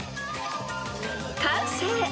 ［完成！］